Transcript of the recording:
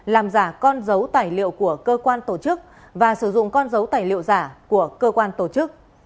làm giả con dấu tài liệu của cơ quan tổ chức và sử dụng con dấu tài liệu giả của cơ quan tổ chức